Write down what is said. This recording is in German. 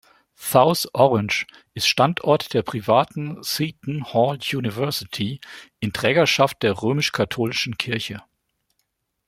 South Orange ist Standort der privaten Seton Hall University in Trägerschaft der Römisch-katholischen Kirche.